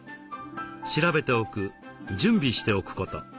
調べておく準備しておくこと。